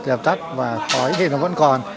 dập tắt và khói thì nó vẫn còn